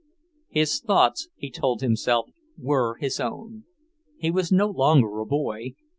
His thoughts, he told himself, were his own. He was no longer a boy.